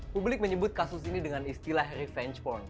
publik menyebut kasus ini dengan istilah revenge porn